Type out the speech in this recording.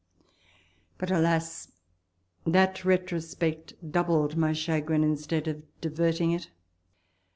But, alas ! that retrospect doubled my chagrin instead of diverting it.